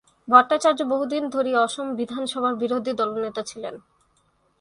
ভট্টাচার্য্য বহু দিন ধরি অসম বিধানসভার বিরোধী দলনেতা ছিলেন।